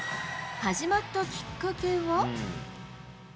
始まったきっかけは。